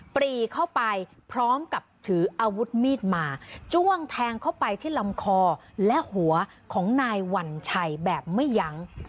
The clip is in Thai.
ปรีเข้าไปพร้อมกับถืออาวุธมีดมาจ้วงแทงเข้าไปที่ลำคอและหัวของนายวัญชัยแบบไม่ยั้ง